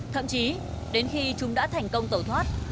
thậm chí đến khi chúng đã thành công tẩu thoát